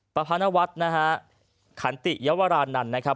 ประพานวัฒน์นะฮะขันติยวรานันต์นะครับ